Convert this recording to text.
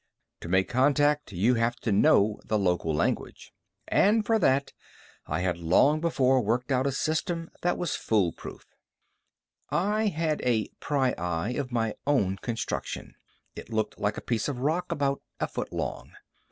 To make contact, you have to know the local language. And, for that, I had long before worked out a system that was fool proof. I had a pryeye of my own construction. It looked like a piece of rock about a foot long.